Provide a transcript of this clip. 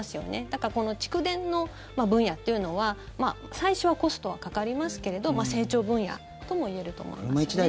だから、蓄電の分野というのは最初はコストはかかりますけれど成長分野ともいえると思いますね。